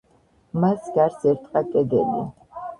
მას გარს ერტყა კედელი.